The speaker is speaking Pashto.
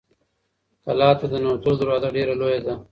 کلا ته د ننوتلو دروازه ډېره لویه ده.